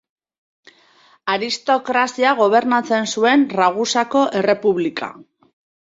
Aristokraziak gobernatzen zuen Ragusako Errepublika.